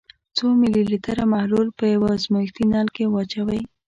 څو ملي لیتره محلول په یو ازمیښتي نل کې واچوئ.